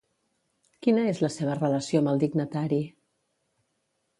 Quina és la seva relació amb el dignatari?